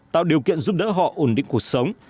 tạo điều kiện giúp đỡ họ ổn định cuộc sống